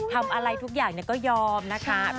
ทำอะไรทุกอย่างก็ยอมนะคะ